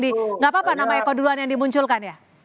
di nggak apa apa nama ekoduluan yang dimunculkan ya